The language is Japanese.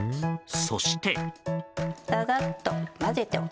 そして。